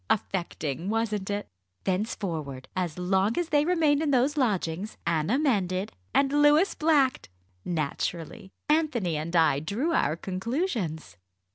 Affecting! wasn't it? Thenceforward, as long as they remained in those lodgings, Anna mended and Louis blacked. Naturally, Anthony and I drew our conclusions."